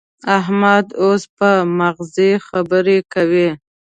احمد اوس په مغزي خبرې کوي.